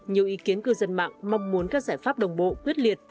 nhiều ý kiến cư dân mạng mong muốn các giải pháp đồng bộ quyết liệt